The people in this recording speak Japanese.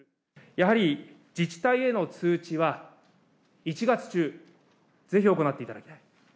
やはり自治体への通知は、１月中、ぜひ行っていただきたい。